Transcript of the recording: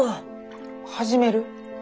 始める？